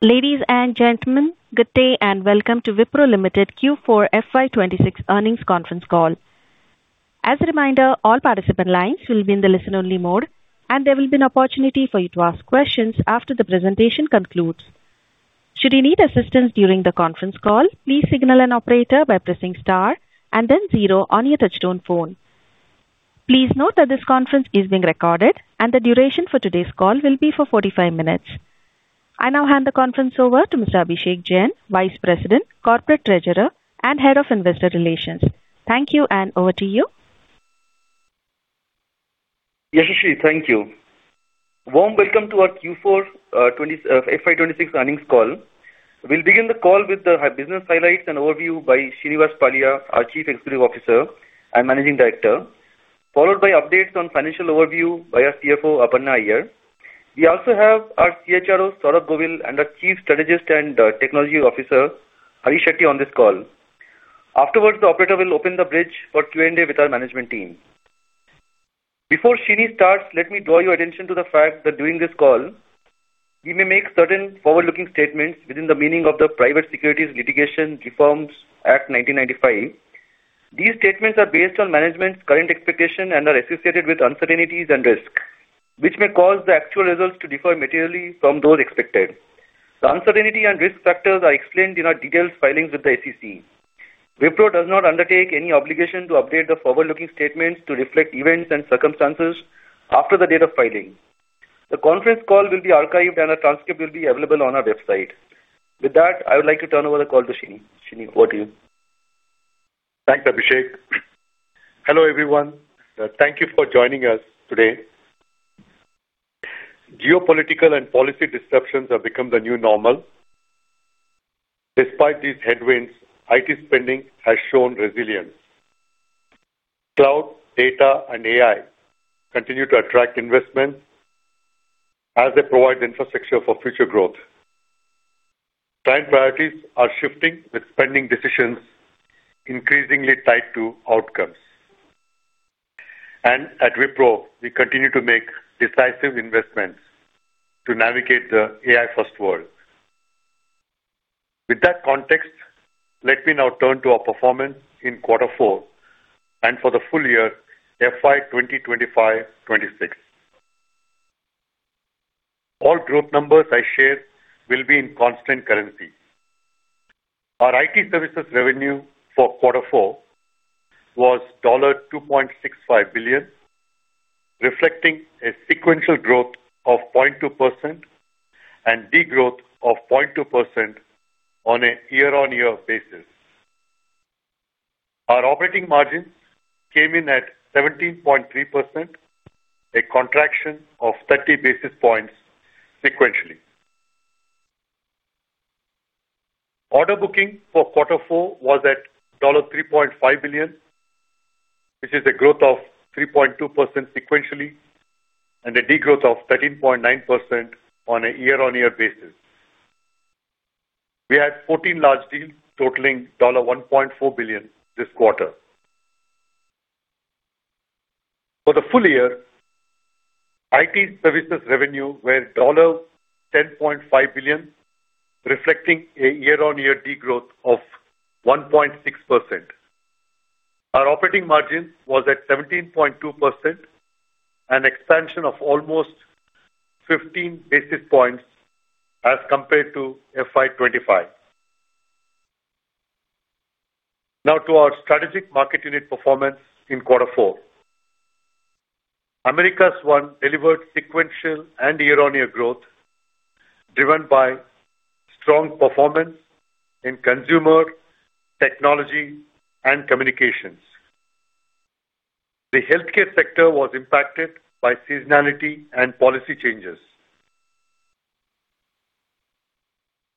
Ladies and gentlemen, good day and welcome to Wipro Limited Q4 FY 2026 earnings conference call. As a reminder, all participant lines will be in the listen-only mode, and there will be an opportunity for you to ask questions after the presentation concludes. Should you need assistance during the conference call, please signal an operator by pressing star and then zero on your touch-tone phone. Please note that this conference is being recorded, and the duration for today's call will be for 45 minutes. I now hand the conference over to Mr. Abhishek Jain, Vice President, Corporate Treasurer, and Head of Investor Relations. Thank you, and over to you. Yashasvi, thank you. Warm welcome to our Q4 FY 2026 earnings call. We'll begin the call with the business highlights and overview by Srinivas Pallia, our Chief Executive Officer and Managing Director, followed by updates on financial overview by our CFO, Aparna Iyer. We also have our CHRO, Saurabh Govil, and our Chief Strategist and Technology Officer, Hari Shetty, on this call. Afterwards, the operator will open the bridge for Q&A with our management team. Before Srini starts, let me draw your attention to the fact that during this call, we may make certain forward-looking statements within the meaning of the Private Securities Litigation Reform Act of 1995. These statements are based on management's current expectation and are associated with uncertainties and risks, which may cause the actual results to differ materially from those expected. The uncertainty and risk factors are explained in our detailed filings with the SEC. Wipro does not undertake any obligation to update the forward-looking statements to reflect events and circumstances after the date of filing. The conference call will be archived, and a transcript will be available on our website. With that, I would like to turn over the call to Srini. Srini, over to you. Thanks, Abhishek. Hello, everyone. Thank you for joining us today. Geopolitical and policy disruptions have become the new normal. Despite these headwinds, IT spending has shown resilience. Cloud, data, and AI continue to attract investment as they provide infrastructure for future growth. Client priorities are shifting, with spending decisions increasingly tied to outcomes. At Wipro, we continue to make decisive investments to navigate the AI-first world. With that context, let me now turn to our performance in quarter four and for the full year FY 2025-2026. All group numbers I share will be in constant currency. Our IT services revenue for quarter four was $2.65 billion, reflecting a sequential growth of 0.2% and degrowth of 0.2% on a year-on-year basis. Our operating margins came in at 17.3%, a contraction of 30 basis points sequentially. Order booking for quarter four was at $3.5 billion, which is a growth of 3.2% sequentially and a degrowth of 13.9% on a year-on-year basis. We had 14 large deals totaling $1.4 billion this quarter. For the full year, IT services revenue were $10.5 billion, reflecting a year-on-year degrowth of 1.6%. Our operating margin was at 17.2%, an expansion of almost 15 basis points as compared to FY 2025. Now to our strategic market unit performance in quarter four. Americas 1 delivered sequential and year-on-year growth driven by strong performance in consumer, technology, and communications. The healthcare sector was impacted by seasonality and policy changes.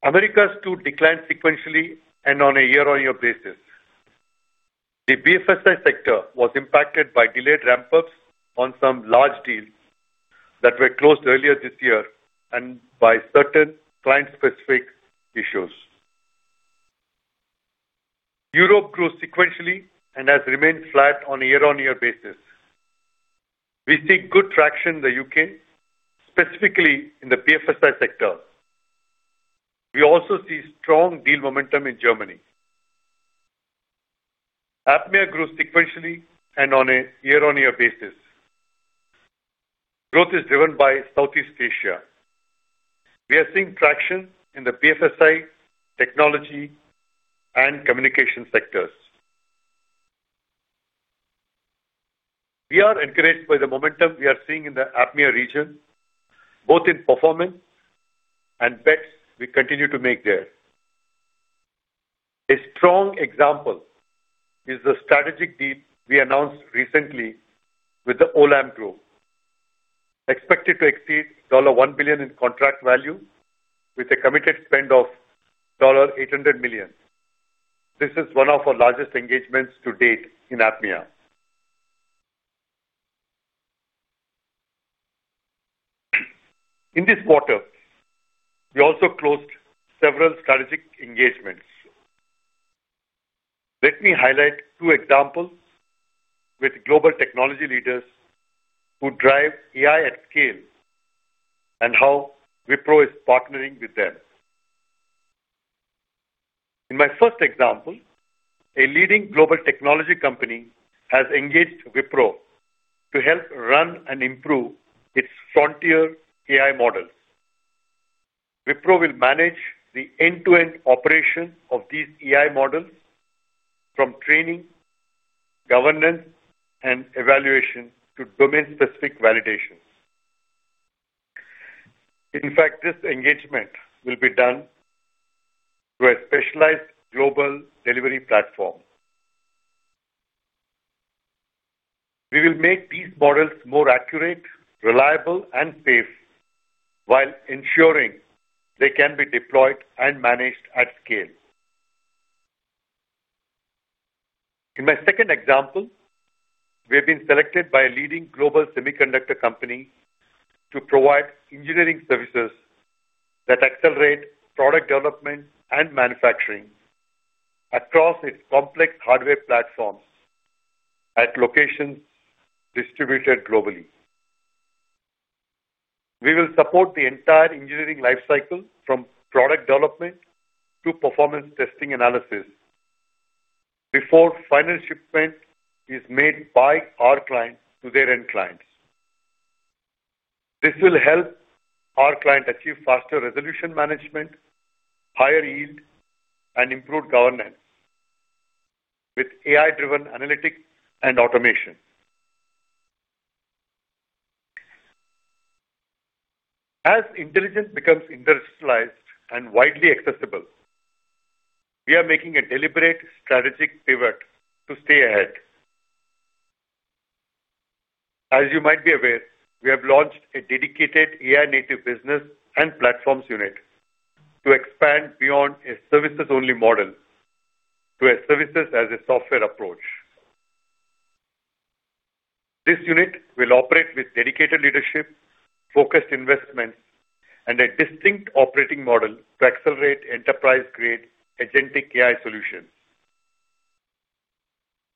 Americas 2 declined sequentially and on a year-on-year basis. The BFSI sector was impacted by delayed ramp-ups on some large deals that were closed earlier this year and by certain client-specific issues. Europe grew sequentially and has remained flat on a year-on-year basis. We see good traction in the U.K., specifically in the BFSI sector. We also see strong deal momentum in Germany. APMEA grew sequentially and on a year-on-year basis. Growth is driven by Southeast Asia. We are seeing traction in the BFSI, technology, and communication sectors. We are encouraged by the momentum we are seeing in the APMEA region, both in performance and bets we continue to make there. A strong example is the strategic deal we announced recently with the Olam Group, expected to exceed $1 billion in contract value with a committed spend of $800 million. This is one of our largest engagements to date in APMEA. In this quarter, we also closed several strategic engagements. Let me highlight two examples with global technology leaders who drive AI at scale and how Wipro is partnering with them. In my first example, a leading global technology company has engaged Wipro to help run and improve its frontier AI models. Wipro will manage the end-to-end operation of these AI models from training, governance, and evaluation to domain-specific validations. In fact, this engagement will be done through a specialized global delivery platform. We will make these models more accurate, reliable and safe while ensuring they can be deployed and managed at scale. In my second example, we have been selected by a leading global semiconductor company to provide engineering services that accelerate product development and manufacturing across its complex hardware platforms at locations distributed globally. We will support the entire engineering life cycle from product development to performance testing analysis before final shipment is made by our client to their end clients. This will help our client achieve faster resolution management, higher yield, and improved governance with AI-driven analytics and automation. As intelligence becomes industrialized and widely accessible, we are making a deliberate strategic pivot to stay ahead. As you might be aware, we have launched a dedicated AI-native business and platforms unit to expand beyond a services-only model to a services-as-a-software approach. This unit will operate with dedicated leadership, focused investments, and a distinct operating model to accelerate enterprise-grade agentic AI solutions.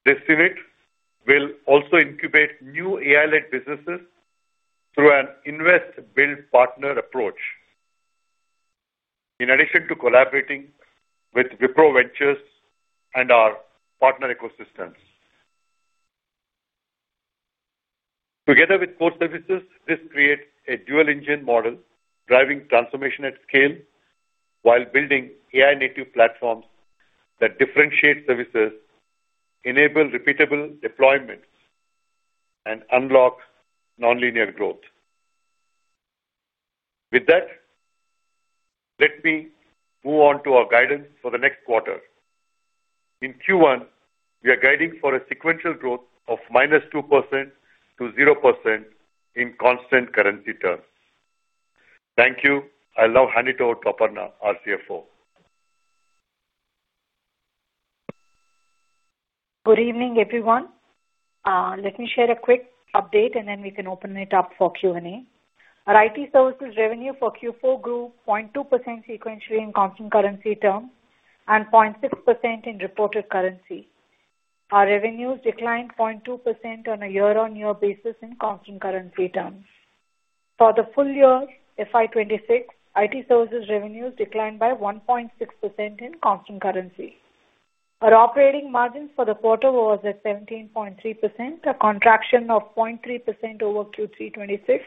This unit will also incubate new AI-led businesses through an invest-build partner approach in addition to collaborating with Wipro Ventures and our partner ecosystems. Together with core services, this creates a dual-engine model driving transformation at scale while building AI-native platforms that differentiate services, enable repeatable deployments, and unlock nonlinear growth. With that, let me move on to our guidance for the next quarter. In Q1, we are guiding for a sequential growth of -2% to 0% in constant currency terms. Thank you. I'll now hand it over to Aparna, our CFO. Good evening, everyone. Let me share a quick update and then we can open it up for Q&A. Our IT services revenue for Q4 grew 0.2% sequentially in constant currency terms and 0.6% in reported currency. Our revenues declined 0.2% on a year-on-year basis in constant currency terms. For the full year FY 2026, IT services revenues declined by 1.6% in constant currency. Our operating margin for the quarter was at 17.3%, a contraction of 0.3% over Q3 2026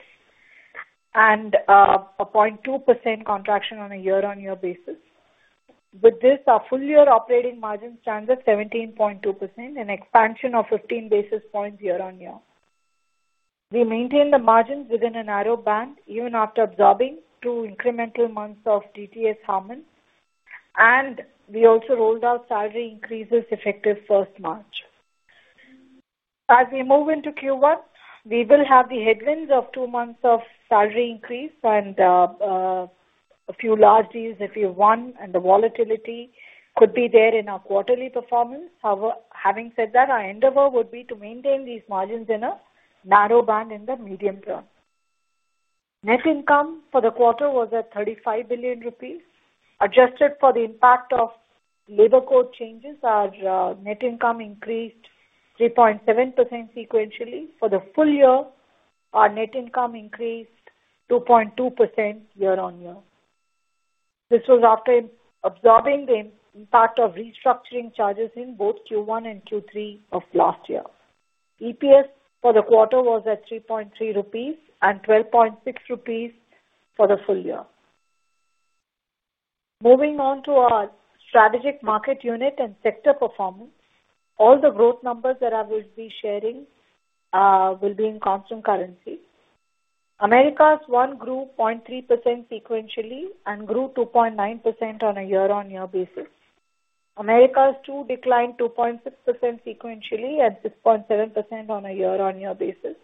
and a 0.2% contraction on a year-on-year basis. With this, our full-year operating margin stands at 17.2%, an expansion of 15 basis points year-on-year. We maintain the margins within a narrow band even after absorbing two incremental months of DTS HARMAN, and we also rolled out salary increases effective March 1. As we move into Q1, we will have the headwinds of two months of salary increase and a few large deals if we win, and the volatility could be there in our quarterly performance. However, having said that, our endeavor would be to maintain these margins in a narrow band in the medium term. Net income for the quarter was at 35 billion rupees. Adjusted for the impact of labor code changes, our net income increased 3.7% sequentially. For the full year, our net income increased 2.2% year-on-year. This was after absorbing the impact of restructuring charges in both Q1 and Q3 of last year. EPS for the quarter was at 3.3 rupees and 12.6 rupees for the full year. Moving on to our strategic market unit and sector performance. All the growth numbers that I will be sharing will be in constant currency. Americas 1 grew 0.3% sequentially and grew 2.9% on a year-on-year basis. Americas 2 declined 2.6% sequentially and 6.7% on a year-on-year basis.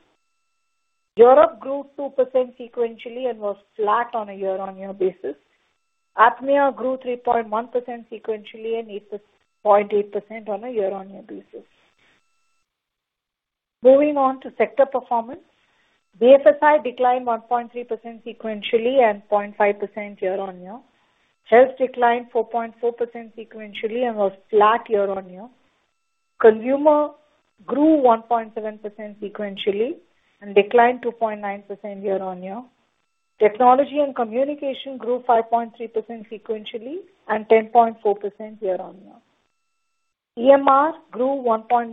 Europe grew 2% sequentially and was flat on a year-on-year basis. APMEA grew 3.1% sequentially and 8.8% on a year-on-year basis. Moving on to sector performance. BFSI declined 1.3% sequentially and 0.5% year-on-year. Healthcare declined 4.4% sequentially and was flat year-on-year. Consumer grew 1.7% sequentially and declined 2.9% year-on-year. Technology and communication grew 5.3% sequentially and 10.4% year-on-year. EMR grew 1.1%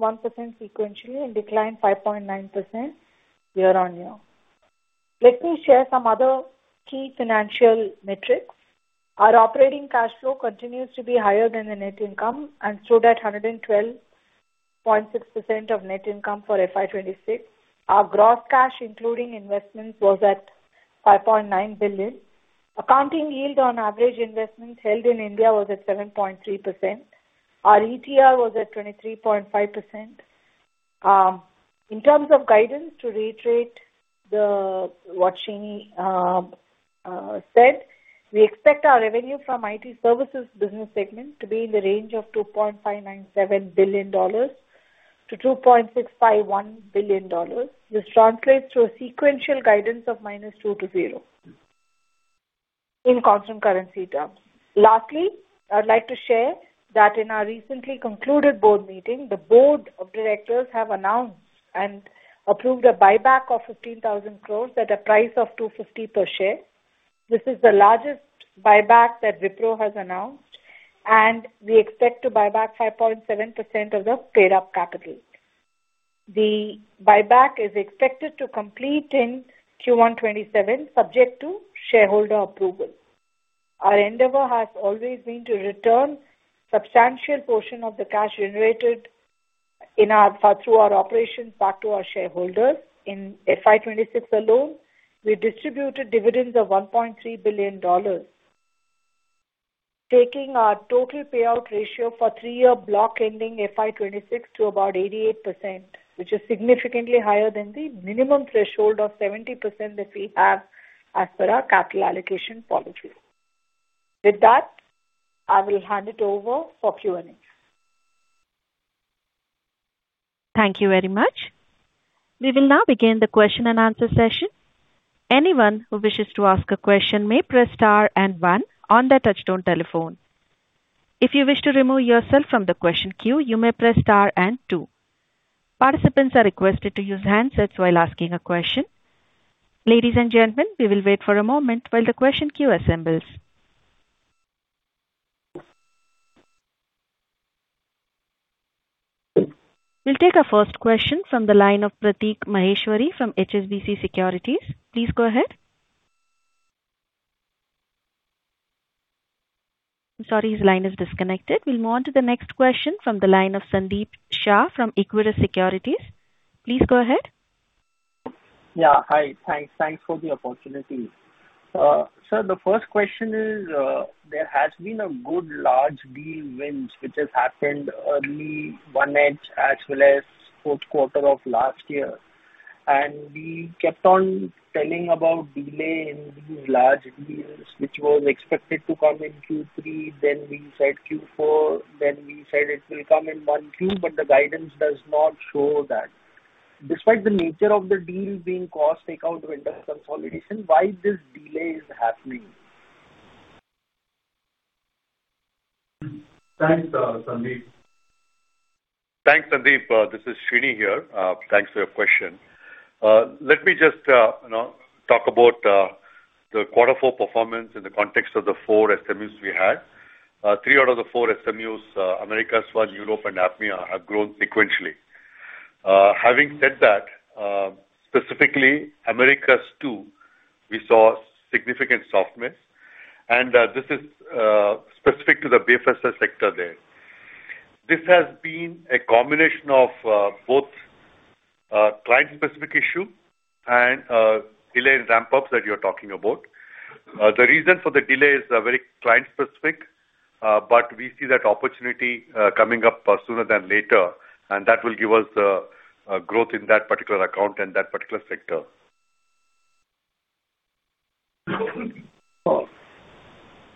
sequentially and declined 5.9% year-on-year. Let me share some other key financial metrics. Our operating cash flow continues to be higher than the net income and stood at 112.6% of net income for FY 2026. Our gross cash, including investments, was at $5.9 billion. Accounting yield on average investments held in India was at 7.3%. Our ETR was at 23.5%. In terms of guidance, to reiterate what Srini said, we expect our revenue from IT services business segment to be in the range of $2.597 billion-$2.651 billion. This translates to a sequential guidance of -2% to 0%, in constant currency terms. Lastly, I'd like to share that in our recently concluded board meeting, the board of directors have announced and approved a buyback of 15,000 crores at a price of 250 per share. This is the largest buyback that Wipro has announced, and we expect to buy back 5.7% of the paid-up capital. The buyback is expected to complete in Q1 FY 2027, subject to shareholder approval. Our endeavor has always been to return substantial portion of the cash generated through our operations back to our shareholders. In FY 2026 alone, we distributed dividends of $1.3 billion, taking our total payout ratio for three-year block ending FY 2026 to about 88%, which is significantly higher than the minimum threshold of 70% that we have as per our capital allocation policy. With that, I will hand it over for Q&A. Thank you very much. We will now begin the question-and-answer session. Anyone who wishes to ask a question may press star and one on their touch-tone telephone. If you wish to remove yourself from the question queue, you may press star and two. Participants are requested to use handsets while asking a question. Ladies and gentlemen, we will wait for a moment while the question queue assembles. We'll take our first question from the line of Prateek Maheshwari from HSBC Securities. Please go ahead. I'm sorry. His line is disconnected. We'll move on to the next question from the line of Sandeep Shah from Equirus Securities. Please go ahead. Yeah. Hi. Thanks for the opportunity. Sir, the first question is, there has been a good large deal wins which has happened early in the year as well as fourth quarter of last year. We kept on telling about delay in these large deals, which was expected to come in Q3, then we said Q4, then we said it will come in Q1, but the guidance does not show that. Despite the nature of the deal being cost takeout vendor consolidation, why this delay is happening? Thanks, Sandeep. Thanks, Sandeep. This is Srini here. Thanks for your question. Let me just talk about the quarter four performance in the context of the four SMUs we had. Three out of the four SMUs, Americas 1, Europe, and APMEA, have grown sequentially. Having said that, specifically Americas 2, we saw significant softness. This is specific to the BFSI sector there. This has been a combination of both client-specific issue and delay in ramp-ups that you're talking about. The reason for the delay is very client-specific, but we see that opportunity coming up sooner than later, and that will give us growth in that particular account and that particular sector.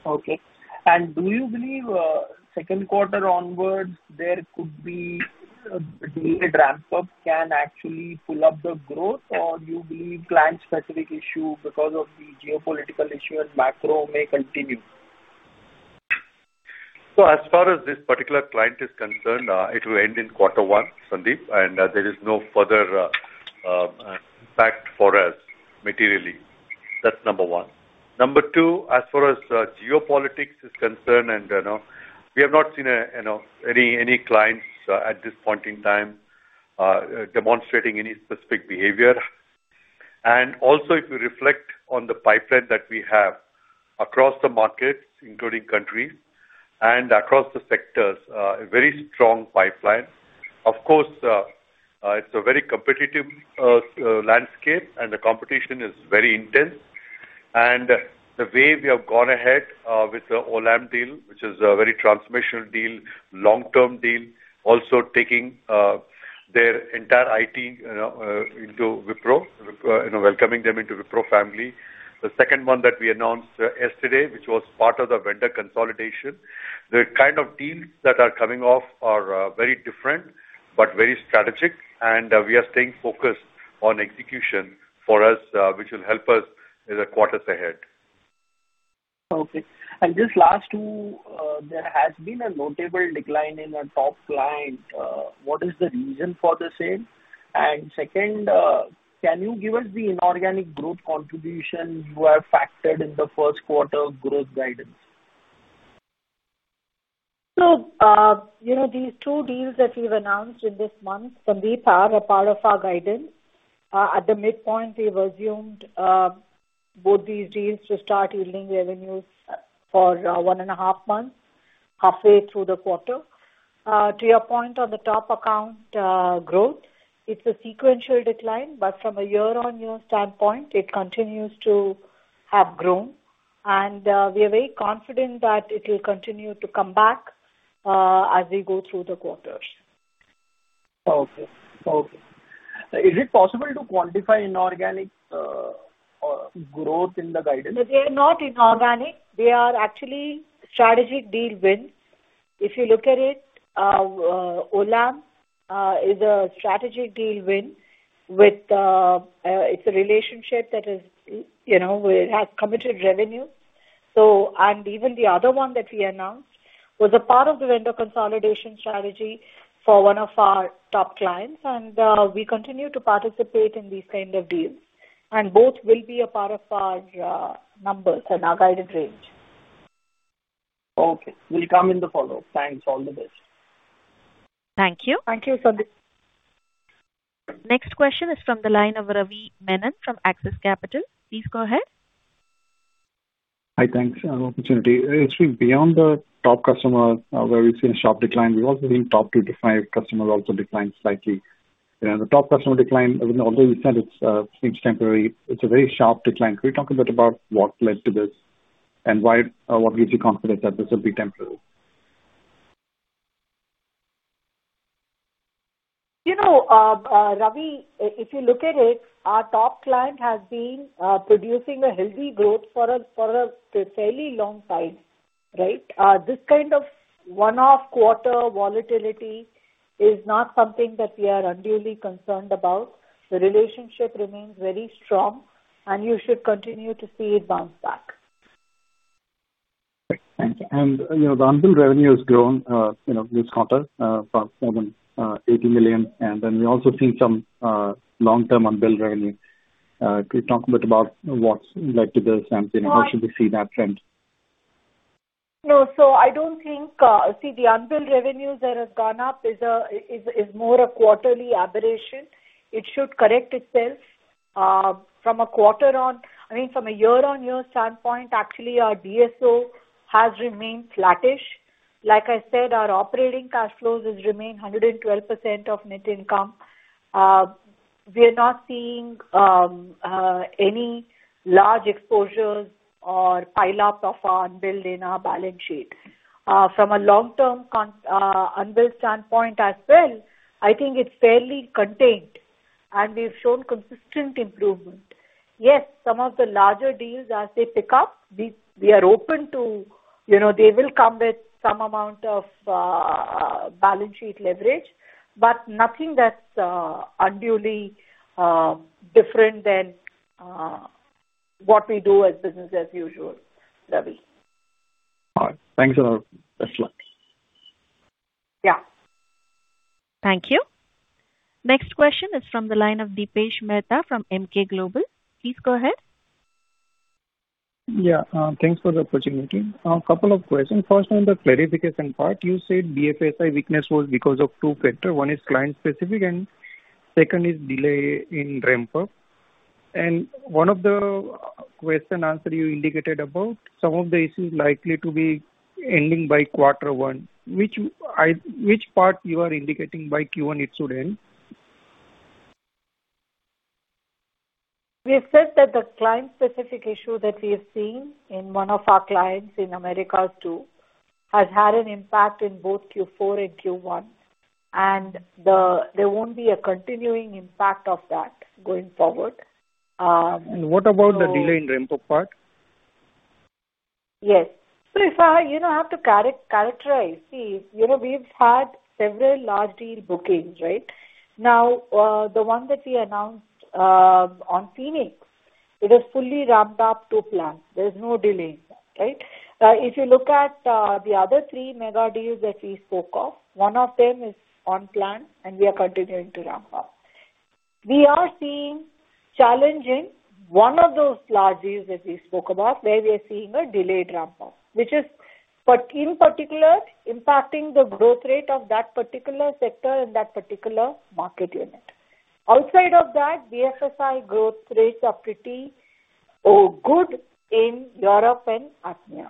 Okay. Do you believe second quarter onwards, there could be a delayed ramp-up can actually pull up the growth, or do you believe client-specific issue because of the geopolitical issue and macro may continue? As far as this particular client is concerned, it will end in quarter one, Sandeep, and there is no further impact for us materially. That's number one. Number two, as far as geopolitics is concerned, we have not seen any clients at this point in time demonstrating any specific behavior. Also, if you reflect on the pipeline that we have across the markets, including countries and across the sectors, a very strong pipeline. Of course, it's a very competitive landscape and the competition is very intense. The way we have gone ahead with the Olam deal, which is a very transformational deal, long-term deal, also taking their entire IT into Wipro, welcoming them into Wipro family. The second one that we announced yesterday, which was part of the vendor consolidation. The kind of deals that are coming off are very different, but very strategic, and we are staying focused on execution for us, which will help us in the quarters ahead. Okay. Just last two, there has been a notable decline in our top client. What is the reason for the same? Second, can you give us the inorganic growth contribution you have factored in the first quarter growth guidance? These two deals that we've announced in this month, Sandeep, are a part of our guidance. At the midpoint, we've assumed both these deals to start yielding revenues for one and a half months, halfway through the quarter. To your point on the top account growth, it's a sequential decline, but from a year-on-year standpoint, it continues to have grown, and we are very confident that it will continue to come back as we go through the quarters. Okay. Is it possible to quantify inorganic growth in the guidance? No, they're not inorganic. They are actually strategic deal wins. If you look at it, Olam is a strategic deal win. It's a relationship that has committed revenue. Even the other one that we announced was a part of the vendor consolidation strategy for one of our top clients, and we continue to participate in these kind of deals. Both will be a part of our numbers and our guided range. Okay. It will come in the follow-up. Thanks. All the best. Thank you. Thank you, Sandeep. Next question is from the line of Ravi Menon from Axis Capital. Please go ahead. Hi, thanks for the opportunity. Actually, beyond the top customer, where we've seen a sharp decline, we've also seen top two to five customers also decline slightly. The top customer decline, although you said it seems temporary, it's a very sharp decline. Could you talk a bit about what led to this, and what gives you confidence that this will be temporary? Ravi, if you look at it, our top client has been producing a healthy growth for us fairly long time. This kind of one-off quarter volatility is not something that we are unduly concerned about. The relationship remains very strong, and you should continue to see it bounce back. Great, thank you. The unbilled revenue has grown this quarter, about $780 million, and then we also see some long-term unbilled revenue. Could you talk a bit about what led to this, and how should we see that trend? No. See, the unbilled revenues that has gone up is more a quarterly aberration. It should correct itself. From a year-on-year standpoint, actually, our DSO has remained flattish. Like I said, our operating cash flows has remained 112% of net income. We are not seeing any large exposures or pile up of our unbilled in our balance sheet. From a long-term unbilled standpoint as well, I think it's fairly contained, and we've shown consistent improvement. Yes, some of the larger deals as they pick up, they will come with some amount of balance sheet leverage, but nothing that's unduly different than what we do as business as usual, Ravi. All right. Thanks a lot. Best luck. Yeah. Thank you. Next question is from the line of Dipesh Mehta from Emkay Global. Please go ahead. Yeah, thanks for the opportunity. A couple of questions. First, on the clarification part, you said BFSI weakness was because of two factors. One is client specific and second is delay in ramp up. In one of the question answer you indicated about some of the issues likely to be ending by quarter one. Which part you are indicating by Q1 it should end? We have said that the client specific issue that we have seen in one of our clients in Americas 2, has had an impact in both Q4 and Q1, and there won't be a continuing impact of that going forward. What about the delay in ramp up part? Yes. If I have to characterize, see, we've had several large deal bookings. Now, the one that we announced on Phoenix, it is fully ramped up to plan. There is no delay in that. If you look at the other three mega deals that we spoke of, one of them is on plan, and we are continuing to ramp up. We are seeing challenge in one of those large deals that we spoke about, where we are seeing a delayed ramp up. Which is in particular impacting the growth rate of that particular sector in that particular market unit. Outside of that, BFSI growth rates are pretty good in Europe and APMEA.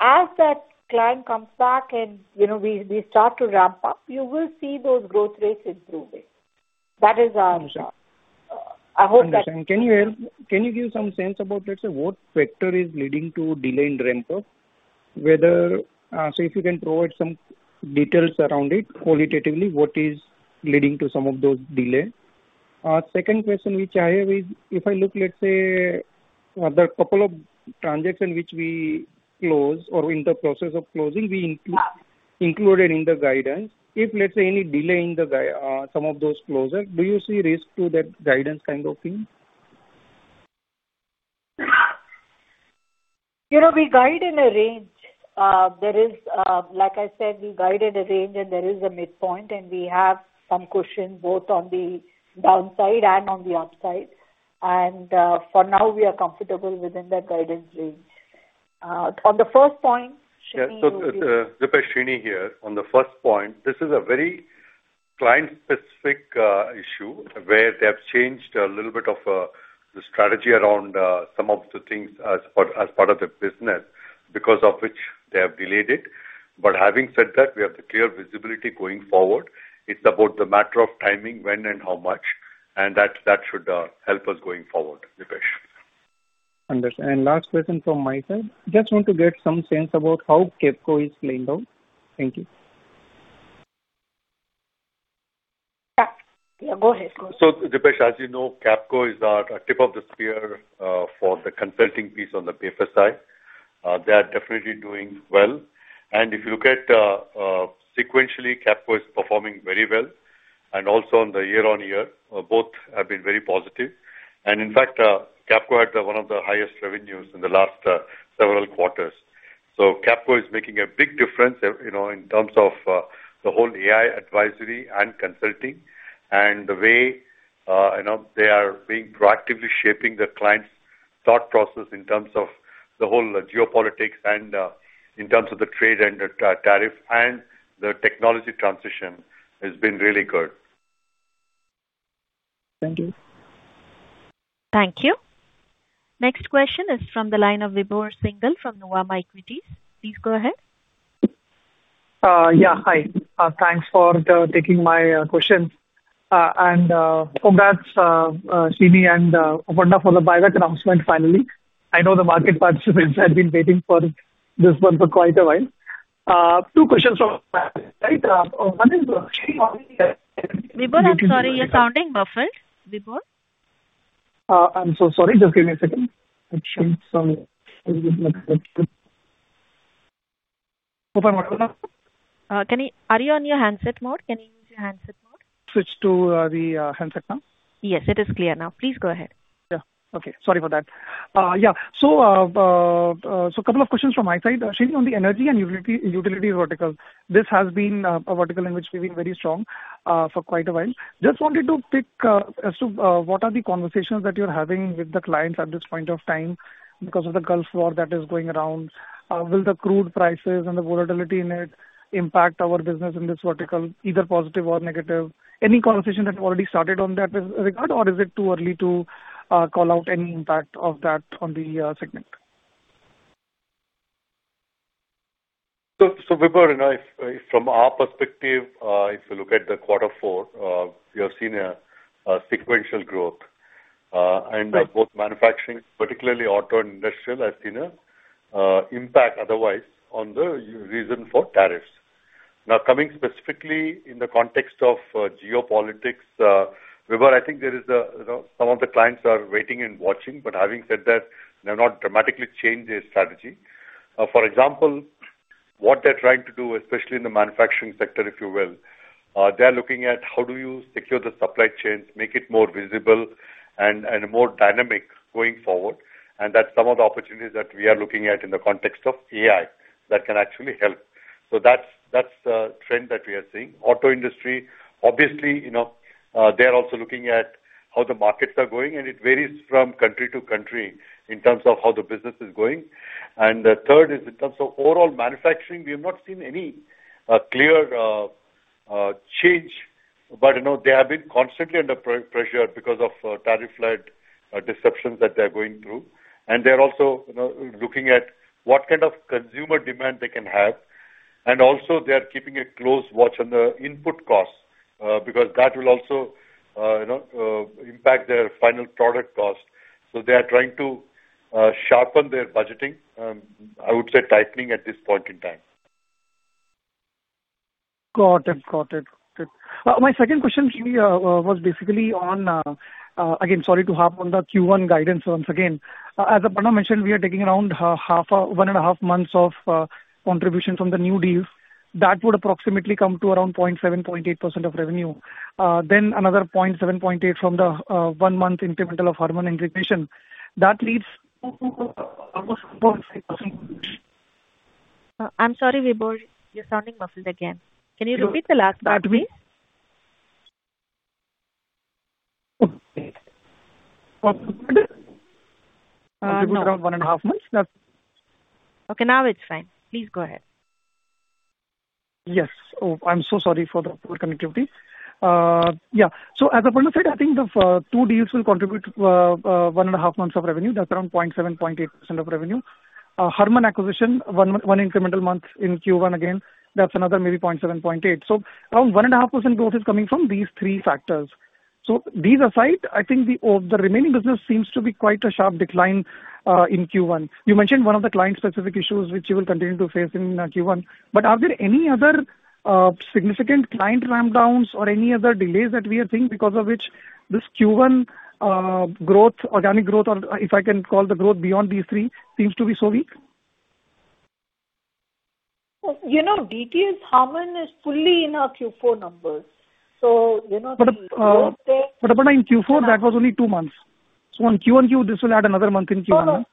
As that client comes back and we start to ramp up, you will see those growth rates improving. That is our job. Understood. I hope that- Can you give some sense about, let's say, what factor is leading to delay in ramp-up? So if you can provide some details around it qualitatively, what is leading to some of those delay? Second question which I have is, if I look, let's say, the couple of transactions which we close or in the process of closing, we included in the guidance. If, let's say, any delay in some of those closures, do you see risk to that guidance kind of thing? We guide in a range. Like I said, we guide in a range, and there is a midpoint, and we have some cushion both on the downside and on the upside. For now, we are comfortable within that guidance range. On the first point, Srini will give. Yeah. Dipesh, Srini here. On the first point, this is a very client-specific issue where they have changed a little bit of the strategy around some of the things as part of the business, because of which they have delayed it. Having said that, we have the clear visibility going forward. It's about the matter of timing, when and how much, and that should help us going forward, Dipesh. Understood. Last question from my side. Just want to get some sense about how Capco is playing out. Thank you. Yeah, go ahead. Dipesh, as you know, Capco is our tip of the spear for the consulting piece on the paper side. They are definitely doing well. If you look at sequentially, Capco is performing very well. Also, on the year-on-year, both have been very positive. In fact, Capco had one of the highest revenues in the last several quarters. Capco is making a big difference in terms of the whole AI advisory and consulting, and the way they are being proactively shaping the client's thought process in terms of the whole geopolitics and in terms of the trade and the tariff, and their technology transition has been really good. Thank you. Thank you. Next question is from the line of Vibhor Singhal from Nuvama Equities. Please go ahead. Yeah, hi. Thanks for taking my questions. Congrats, Srini and Aparna, for the buyback announcement finally. I know the market participants had been waiting for this one for quite a while. Two questions from my end. One is actually on the- Vibhor, I'm sorry, you're sounding muffled. Vibhor? I'm so sorry. Just give me a second. It shouldn't sound Aparna. Are you on your handset mode? Can you use your handset mode? Switch to the handset now? Yes, it is clear now. Please go ahead. Yeah. Okay. Sorry for that. Yeah. Couple of questions from my side. Srini, on the energy and utility verticals. This has been a vertical in which we've been very strong for quite a while. Just wanted to pick as to what are the conversations that you're having with the clients at this point of time because of the Gulf War that is going around. Will the crude prices and the volatility in it impact our business in this vertical, either positive or negative? Any conversation that already started on that regard, or is it too early to call out any impact of that on the segment? Vibhor, from our perspective, if you look at quarter four, we have seen sequential growth and both manufacturing, particularly auto and industrial, has seen an impact otherwise on the region for tariffs. Now, coming specifically in the context of geopolitics, Vibhor, I think some of the clients are waiting and watching. Having said that, they've not dramatically changed their strategy. For example, what they're trying to do, especially in the manufacturing sector, if you will, they're looking at how do you secure the supply chains, make it more visible and more dynamic going forward. That's some of the opportunities that we are looking at in the context of AI that can actually help. That's the trend that we are seeing. Auto industry, obviously, they're also looking at how the markets are going, and it varies from country to country in terms of how the business is going. The third is in terms of overall manufacturing; we have not seen any clear change. They have been constantly under pressure because of tariff-led disruptions that they're going through. They're also looking at what kind of consumer demand they can have. They are keeping a close watch on the input costs, because that will also impact their final product cost. They are trying to sharpen their budgeting, I would say, tightening at this point in time. Got it. My second question, Srini, was basically on, again, sorry to harp on the Q1 guidance once again. As Aparna mentioned, we are taking around 1.5 months of contribution from the new deals. That would approximately come to around 0.7%-0.8% of revenue. Then another 0.7%-0.8% from the one month incremental of HARMAN integration. That leaves almost I'm sorry, Vibhor, you're sounding muffled again. Can you repeat the last part? Pardon me. Around one and a half months. Okay, now it's fine. Please go ahead. Yes. I'm so sorry for the poor connectivity. Yeah. As Aparna said, I think the two deals will contribute to 1.5 months of revenue. That's around 0.7%-0.8% of revenue. HARMAN acquisition one incremental month in Q1 again, that's another maybe 0.7%-0.8%. Around 1.5% growth is coming from these three factors. These aside, I think the remaining business seems to be quite a sharp decline in Q1. You mentioned one of the client-specific issues which you will continue to face in Q1, but are there any other significant client ramp-downs or any other delays that we are seeing because of which this Q1 organic growth, or if I can call the growth beyond these three, seems to be so weak? HARMAN's DTS is fully in our Q4 numbers. Aparna in Q4, that was only two months. This will add another month in Q1.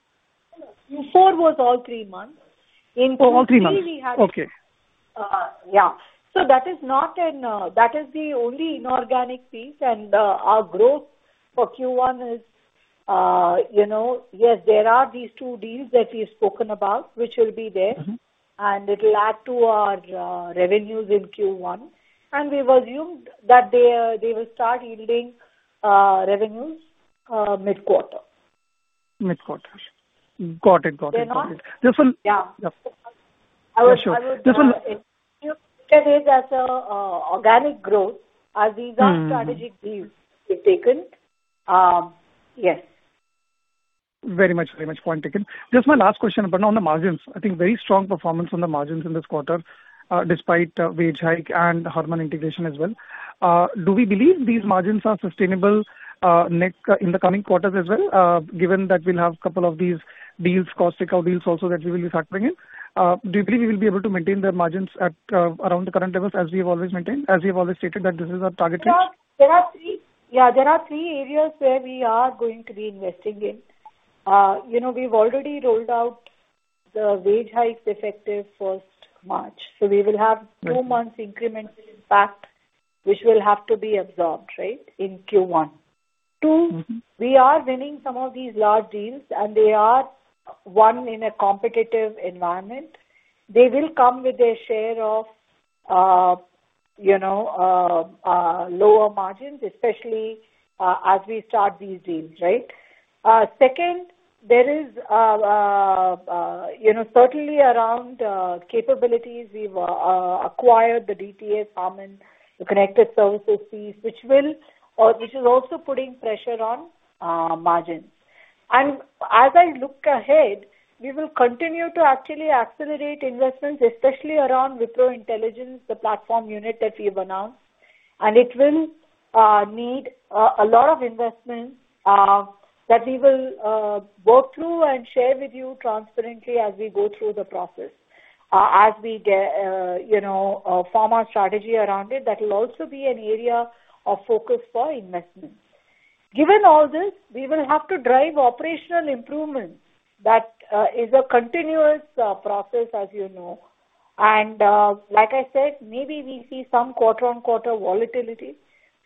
Q4 was all three months. Oh, all three months. Okay. Yeah. That is the only inorganic piece. Our growth for Q1 is, yes, there are these two deals that we've spoken about, which will be there. Mm-hmm. It'll add to our revenues in Q1. We've assumed that they will start yielding revenues mid-quarter. Mid-quarter. Got it. Yeah. Yeah, sure. If you look at it as organic growth. These are strategic deals we've taken. Yes. Very much. Point taken. Just my last question, Aparna, on the margins. I think very strong performance on the margins in this quarter, despite wage hike and HARMAN integration as well. Do we believe these margins are sustainable in the coming quarters as well, given that we'll have couple of these deals, cost takeout deals also that we will be factoring in? Do you believe we will be able to maintain the margins at around the current levels as we have always maintained, as we have always stated that this is our target range? Yeah. There are three areas where we are going to be investing in. We've already rolled out the wage hikes effective 1st March. We will have two months incremental impact which will have to be absorbed, right, in Q1. Two, we are winning some of these large deals and they are won in a competitive environment. They will come with their share of lower margins, especially as we start these deals, right? Second, there is certainly around capabilities, we've acquired the DTS, HARMAN, the connected services division, which is also putting pressure on margins. As I look ahead, we will continue to actually accelerate investments, especially around Wipro Intelligence, the platform unit that we've announced. It will need a lot of investment that we will work through and share with you transparently as we go through the process. As we form our strategy around it, that will also be an area of focus for investment. Given all this, we will have to drive operational improvements. That is a continuous process, as you know. Like I said, maybe we see some quarter-on-quarter volatility,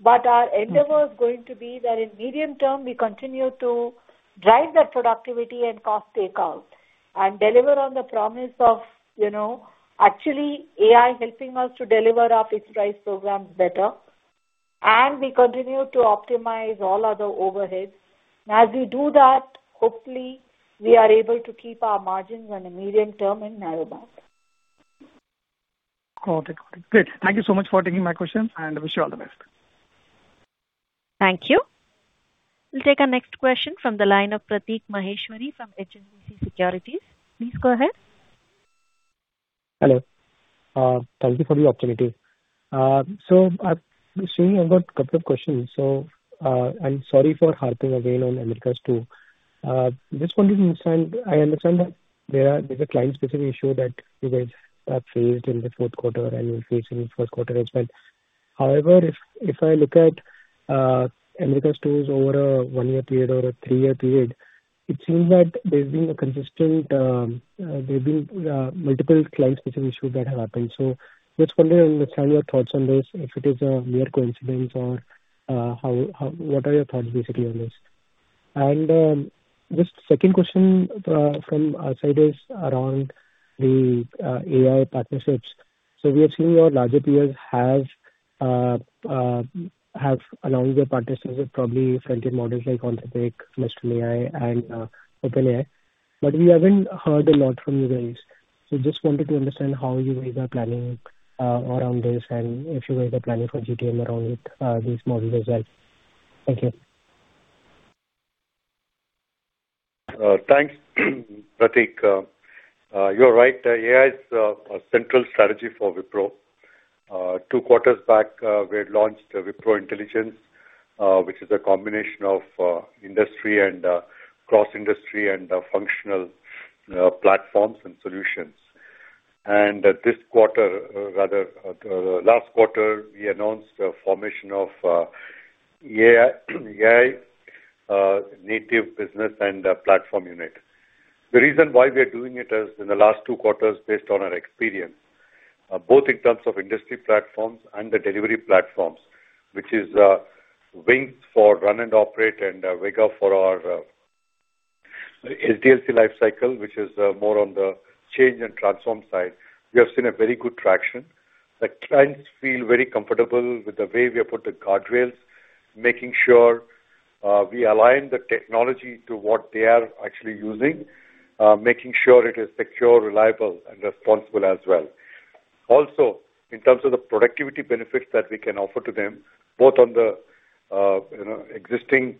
but our endeavor is going to be that in medium term, we continue to drive that productivity and cost takeout and deliver on the promise of actually AI helping us to deliver our price programs better. We continue to optimize all other overheads. As we do that, hopefully we are able to keep our margins on a medium term in narrow band. Got it. Great. Thank you so much for taking my questions, and wish you all the best. Thank you. We'll take our next question from the line of Prateek Maheshwari from HSBC Securities. Please go ahead. Hello. Thank you for the opportunity. I've got a couple of questions. I'm sorry for harping again on Americas 2. Just wanted to understand, I understand that there's a client-specific issue that you guys have faced in the fourth quarter and will face in the first quarter as well. However, if I look at Americas 2, over a one-year period or a three-year period, it seems that there's been multiple client-specific issues that have happened. Just wanted to understand your thoughts on this, if it is a mere coincidence or what are your thoughts basically on this? Just second question from our side is around the AI partnerships. We are seeing your larger peers have announced their partnerships with probably foundation models like Anthropic, Mistral AI, and OpenAI. But we haven't heard a lot from you guys. Just wanted to understand how you guys are planning around this and if you guys are planning for GTM around these models as well. Thank you. Thanks, Prateek. You're right. AI is a central strategy for Wipro. Two quarters back, we had launched Wipro Intelligence, which is a combination of industry and cross-industry and functional platforms and solutions. This quarter, rather last quarter, we announced the formation of AI-Native Business & Platforms Unit. The reason why we are doing it is in the last two quarters, based on our experience both in terms of industry platforms and the delivery platforms, which is WINGS for run and operate and WEGA for our SDLC lifecycle which is more on the change and transform side. We have seen a very good traction. The clients feel very comfortable with the way we have put the guardrails, making sure- We align the technology to what they are actually using, making sure it is secure, reliable, and responsible as well. Also, in terms of the productivity benefits that we can offer to them, both on the existing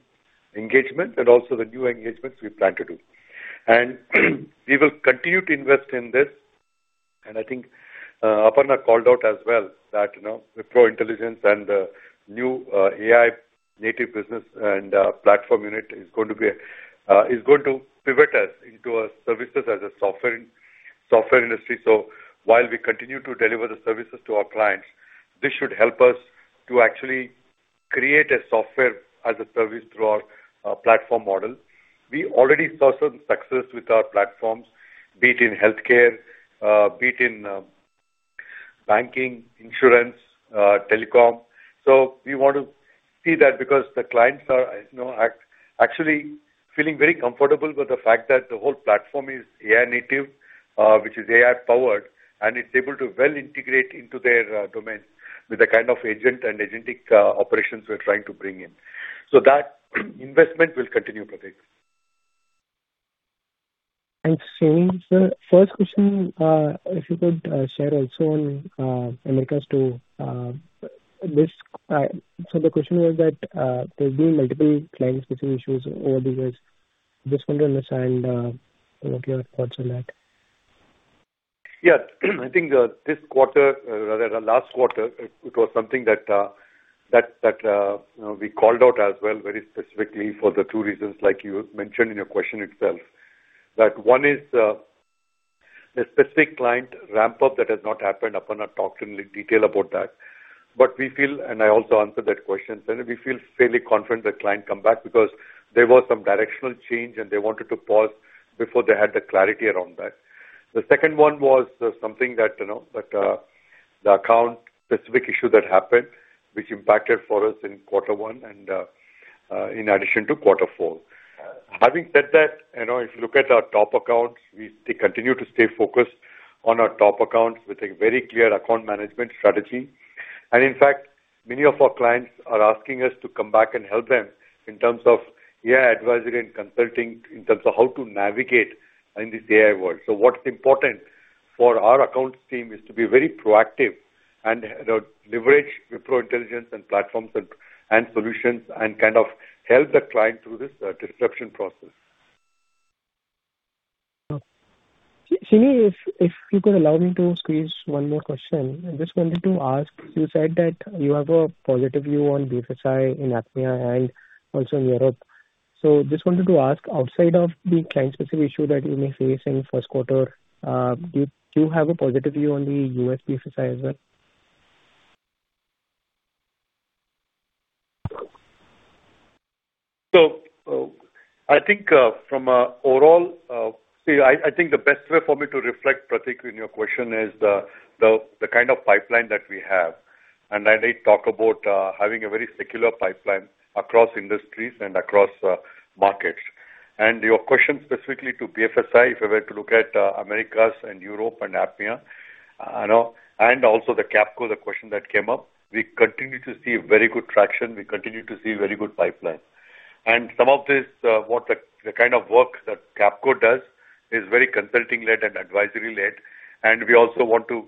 engagement and also the new engagements we plan to do. We will continue to invest in this. I think Aparna called out as well that Wipro Intelligence and the new AI-Native Business & Platforms Unit is going to pivot us into a services as a software industry. While we continue to deliver the services to our clients, this should help us to actually create a software as a service through our platform model. We already saw some success with our platforms, be it in healthcare, be it in banking, insurance, telecom. We want to see that because the clients are actually feeling very comfortable with the fact that the whole platform is AI native, which is AI powered, and it's able to well integrate into their domains with the kind of agent and agentic operations we're trying to bring in. That investment will continue, Prateek. Thanks, Srini. Sir, first question, if you could share also on Americas too. The question was that there's been multiple client-specific issues over the years. Just want to understand what your thoughts are on that. Yeah. I think this quarter, rather the last quarter, it was something that we called out as well very specifically for the two reasons like you mentioned in your question itself. That one is the specific client ramp-up that has not happened. Aparna talked in detail about that. But we feel, and I also answered that question, we feel fairly confident that client come back because there was some directional change and they wanted to pause before they had the clarity around that. The second one was something that the account-specific issue that happened, which impacted for us in quarter one and in addition to quarter four. Having said that, if you look at our top accounts, we continue to stay focused on our top accounts with a very clear account management strategy. In fact, many of our clients are asking us to come back and help them in terms of AI advisory and consulting in terms of how to navigate in this AI world. What's important for our accounts team is to be very proactive and leverage Wipro Intelligence and platforms and solutions and kind of help the client through this disruption process. Srini, if you could allow me to squeeze one more question. I just wanted to ask, you said that you have a positive view on BFSI in APMEA and also in Europe. Just wanted to ask, outside of the client-specific issue that you may face in first quarter, do you have a positive view on the U.S. BFSI as well? I think the best way for me to reflect, Prateek, in your question is the kind of pipeline that we have. I talk about having a very secular pipeline across industries and across markets. Your question specifically to BFSI, if I were to look at Americas and Europe and APMEA, and also the Capco, the question that came up. We continue to see very good traction. We continue to see very good pipeline. Some of this, the kind of work that Capco does is very consulting-led and advisory-led. We also want to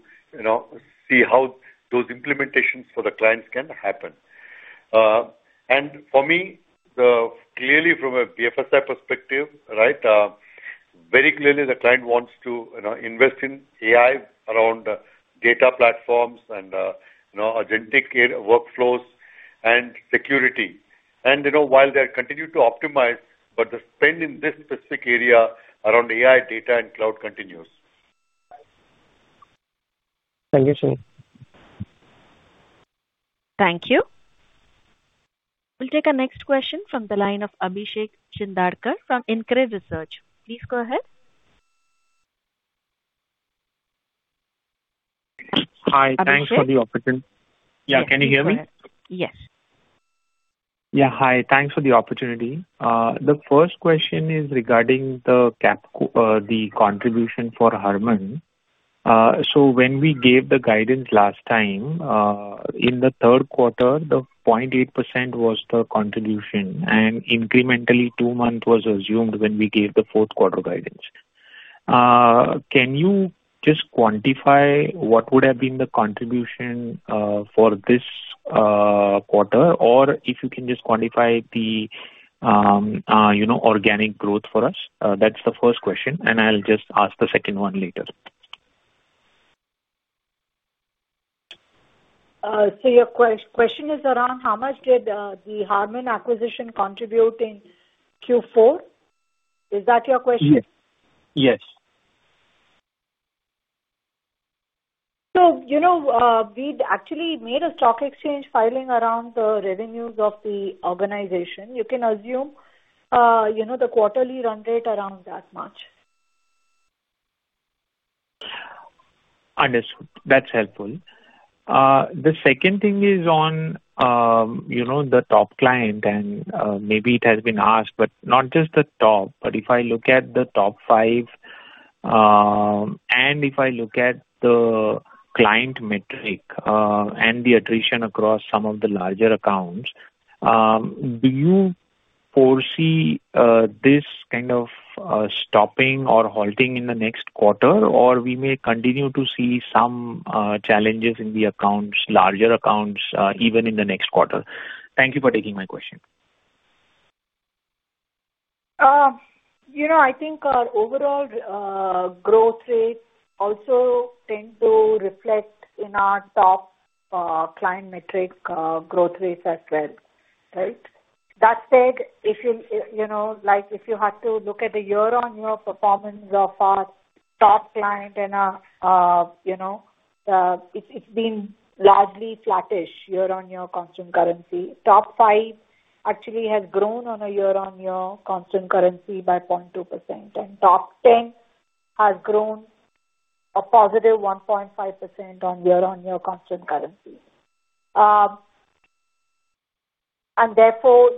see how those implementations for the clients can happen. For me, clearly from a BFSI perspective, very clearly the client wants to invest in AI around data platforms, and agentic workflows, and security. While they continue to optimize, but the spend in this specific area around AI data and cloud continues. Thank you, Srini. Thank you. We'll take our next question from the line of Abhishek Shindadkar from InCred Research. Please go ahead. Hi. Thanks for the opportunity. Yeah, can you hear me? Yes. Yeah. Hi. Thanks for the opportunity. The first question is regarding the contribution for HARMAN. When we gave the guidance last time, in the third quarter, the 0.8% was the contribution, and incrementally two months was assumed when we gave the fourth quarter guidance. Can you just quantify what would have been the contribution for this quarter? Or if you can just quantify the organic growth for us? That's the first question, and I'll just ask the second one later. Your question is around how much did the HARMAN acquisition contribute in Q4? Is that your question? Yes. We'd actually made a stock exchange filing around the revenues of the organization. You can assume the quarterly run rate around that much. Understood. That's helpful. The second thing is on the top client, and maybe it has been asked, but not just the top, but if I look at the top five. And if I look at the client metric and the attrition across some of the larger accounts, do you foresee this kind of stopping or halting in the next quarter? Or we may continue to see some challenges in the larger accounts even in the next quarter? Thank you for taking my question. I think our overall growth rates also tend to reflect in our top client metric growth rates as well. Right? That said, if you had to look at the year-on-year performance of our top client, it's been largely flattish year-on-year constant currency. Top five actually has grown on a year-on-year constant currency by 0.2%, and top 10 has grown a positive 1.5% on year-on-year constant currency. Therefore,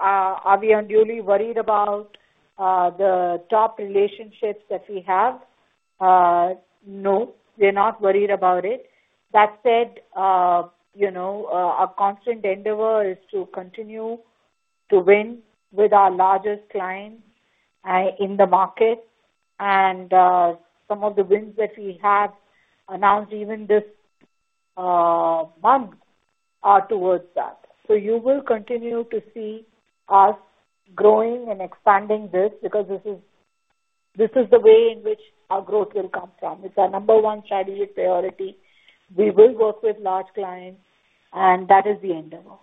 are we unduly worried about the top relationships that we have? No, we're not worried about it. That said, our constant endeavor is to continue to win with our largest clients in the market, and some of the wins that we have announced even this month are towards that. You will continue to see us growing and expanding this because this is the way in which our growth will come from. It's our number one strategic priority. We will work with large clients, and that is the endeavor.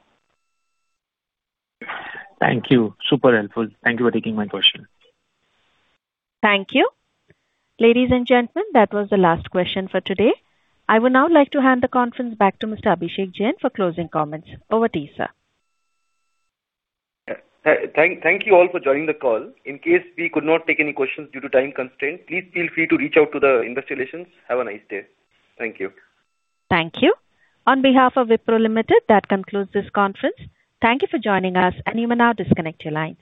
Thank you. Super helpful. Thank you for taking my question. Thank you. Ladies and gentlemen, that was the last question for today. I would now like to hand the conference back to Mr. Abhishek Jain for closing comments. Over to you, sir. Thank you all for joining the call. In case we could not take any questions due to time constraints, please feel free to reach out to Investor Relations. Have a nice day. Thank you. Thank you. On behalf of Wipro Limited, that concludes this conference. Thank you for joining us, and you may now disconnect your lines.